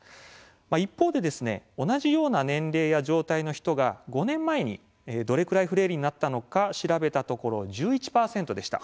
一方で同じような年齢や状態に人が５年前に、どれくらいフレイルになったのか調べたところ１１％でした。